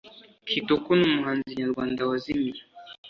Kitoko ni umuhanzi nyarwanda wazimiye